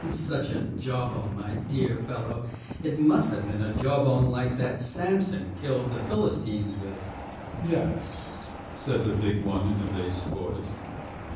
Such a jawbone, my dear fellow! It must have been a jawbone like that Samson killed the Philistines with." "M'yes," said the big one in a bass voice.